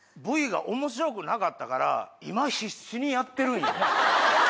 Ｖがおもしろくなかったから、今、必死にやってるんや。